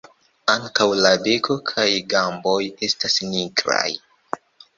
Ankaŭ la beko kaj gamboj estas nigraj.